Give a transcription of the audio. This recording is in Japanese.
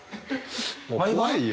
もう怖いよ。